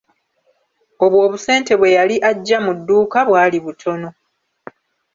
Obwo obusente bwe yali aggya mu dduuka bwali butono.